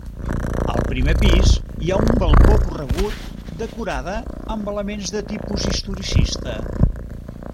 Al primer pis hi ha un balcó corregut, decorada amb elements de tipus historicista.